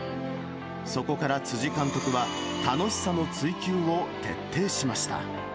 そこから辻監督は、楽しさの追求を徹底しました。